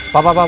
pak pak pak